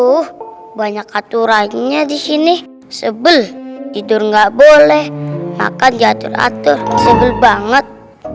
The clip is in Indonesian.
oh banyak aturannya di sini sebel tidur nggak boleh makan jatuh atur sebel banget